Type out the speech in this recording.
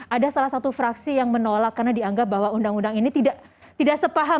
ada salah satu fraksi yang menolak karena dianggap bahwa undang undang ini tidak sepaham